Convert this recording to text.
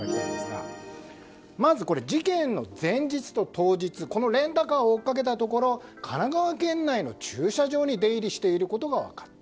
まず、事件の前日と当日レンタカーを追っかけたところ神奈川県内の駐車場に出入りしていることが分かった。